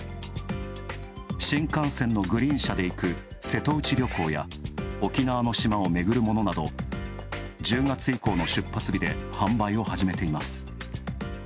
新幹線のグリーン車で行く瀬戸内旅行や、沖縄の島を巡るものなど１０月以降の出発日で販売を始めています。